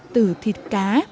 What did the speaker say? từ thịt cá